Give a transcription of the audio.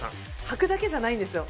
履くだけじゃないんですよ。